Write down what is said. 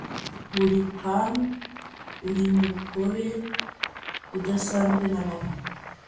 kuri pammy, uri umugore udasanzwe na mama